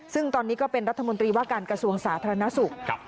ซึ่งตอนนี้ก็เป็นรัฐมนตรีว่าการกระทรวงสาธารณสุข